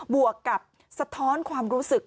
วกกับสะท้อนความรู้สึก